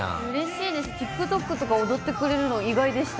ＴｉｋＴｏｋとか踊ってくれるの意外でした。